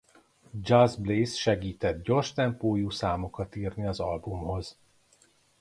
Just Blaze segített gyors tempójú számokat írni az albumhoz.